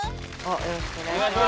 よろしくお願いします。